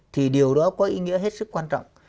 thì điều đó có ý nghĩa hết sức quan trọng